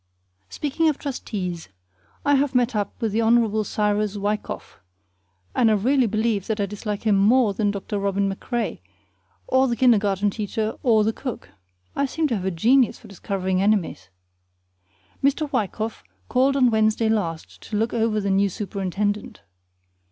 Speaking of trustees, I have met up with the Hon. Cyrus Wykoff, and I really believe that I dislike him more than Dr. Robin MacRae or the kindergarten teacher or the cook. I seem to have a genius for discovering enemies! Mr. Wykoff called on Wednesday last to look over the new superintendent.